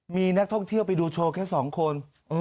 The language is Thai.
มีนักท่องเที่ยวไปดูโชว์แค่๒คน